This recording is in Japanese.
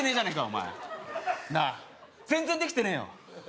お前なあ全然できてねえよ